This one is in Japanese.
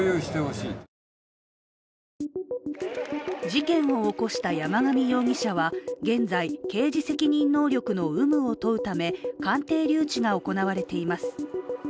事件を起こした山上容疑者は、現在、刑事責任能力の有無を問うため鑑定留置が行われています。